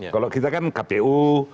kalau kita kan kpu